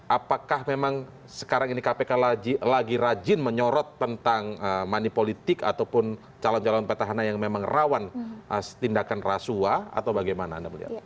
apakah memang sekarang ini kpk lagi rajin menyorot tentang money politik ataupun calon calon petahana yang memang rawan tindakan rasuah atau bagaimana anda melihat